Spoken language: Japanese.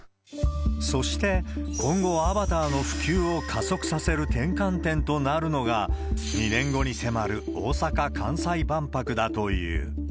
そして、今後、アバターの普及を加速させる転換点となるのが、２年後に迫る大阪・関西万博だという。